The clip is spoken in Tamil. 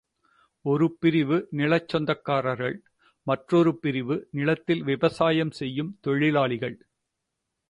ஒரு பிரிவு நிலச் சொந்தக்காரர்கள் மற்றொரு பிரிவு நிலத்தில் விவசாயம் செய்யும் தொழிலாளிகள்.